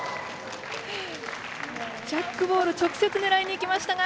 ジャックボール直接ねらいにいきましたが。